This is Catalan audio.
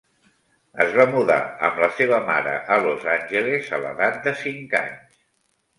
Es va mudar amb la seva mare a Los Angeles a l'edat de cinc anys.